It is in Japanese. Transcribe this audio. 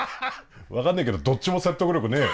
分かんねえけどどっちも説得力ねえよ。